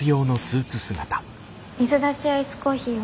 水出しアイスコーヒーを。